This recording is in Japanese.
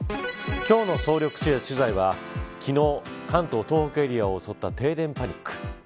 今日の総力取材は昨日、関東東北エリアを襲った停電パニック。